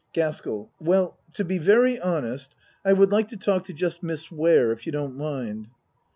GASKELL Well to be very honest, I would like to talk to just Miss Ware if you don't mind.